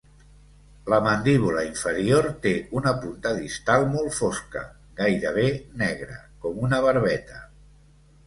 La mandíbula inferior té una punta distal molt fosca, gairebé negra, com una barbeta.